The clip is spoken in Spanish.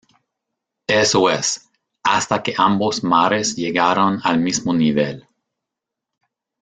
eso es, hasta que ambos mares llegaron al mismo nivel.